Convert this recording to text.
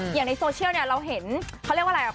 อย่างในโซเชียลเนี่ยเราเห็นเขาเรียกว่าอะไร